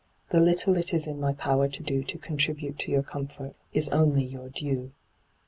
The little it is in my power to do to contribute to your comfort is only your due.'